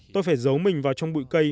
tôi phải giấu mình vào trong bụi cây